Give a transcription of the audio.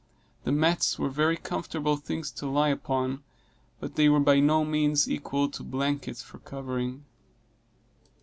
The mats were very comfortable things to lie upon, but they were by no means equal to blankets for covering.